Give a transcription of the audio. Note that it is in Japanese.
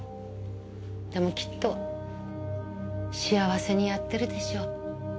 でもきっと幸せにやってるでしょう。